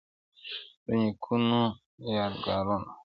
• دنيکونو يادګارونه -